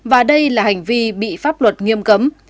và đây là hành vi bị pháp luật nghiêm cấm